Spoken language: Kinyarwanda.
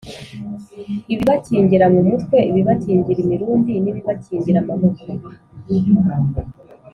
ibibakingira mu mutwe ibibakingira imirundi n’ibibakingira amaboko